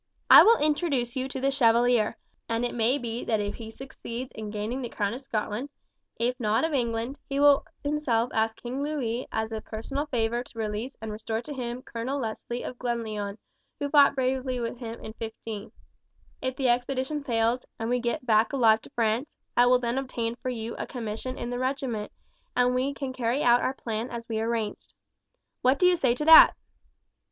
I will introduce you to the Chevalier, and it may be that if he succeeds in gaining the crown of Scotland, if not of England, he will himself ask King Louis as a personal favour to release and restore to him Colonel Leslie of Glenlyon, who fought bravely with him in '15. If the expedition fails, and we get back alive to France, I will then obtain for you a commission in the regiment, and we can carry out our plan as we arranged. What do you say to that?"